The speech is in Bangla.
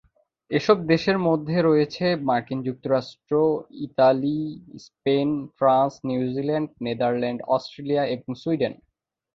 এসব দেশের মধ্যে রয়েছে মার্কিন যুক্তরাষ্ট্র, Italy, Spain, France, New Zealand, Netherland, Australia এবং সুইডেন।